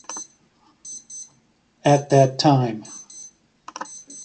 At that time.